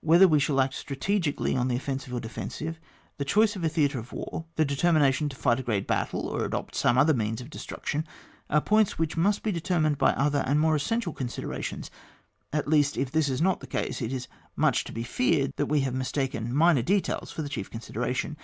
Whether we shall act strategically on the offensive or defensive, the choice of a theatre of war, the determination to fight a great battle, or adopt some other means of destruction, are points which must be determined by other and more essential considerations, at least, if this is not the case, it is much to be feared that we have mistaken minor details for the chief consideration.